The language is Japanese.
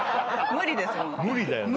無理だよね。